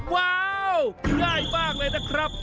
ว้าวง่ายมากเลยนะครับ